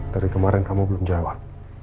dari kemarin kamu belum jawab